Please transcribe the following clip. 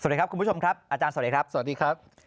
สวัสดีครับคุณผู้ชมอาจารย์สวัสดีครับ